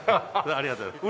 ありがとうございます。